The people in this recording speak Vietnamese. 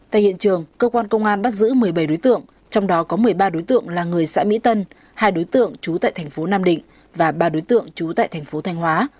tại hiện trường cơ quan công an bắt giữ một mươi bảy đối tượng trong đó có một mươi ba đối tượng là người xã mỹ tân hai đối tượng trú tại thành phố nam định và ba đối tượng trú tại thành phố thanh hóa